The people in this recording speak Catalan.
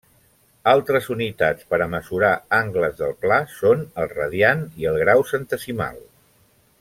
Altres unitats per a mesurar angles del pla són el radiant i el grau centesimal.